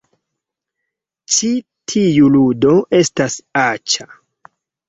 Ĉi tiu ludo estas aĉa